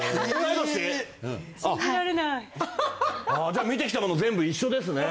じゃあ見てきた物全部一緒ですね。